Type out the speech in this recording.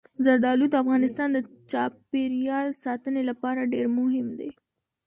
زردالو د افغانستان د چاپیریال ساتنې لپاره ډېر مهم دي.